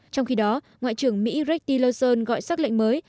trong khi đó ngoại trưởng mỹ ray tillerson gọi xác lệnh mới